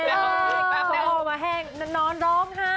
แม่ออกมาแห้งนอนร้องไห้